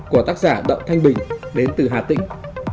của tác giả đậu thanh bình đến từ hà tĩnh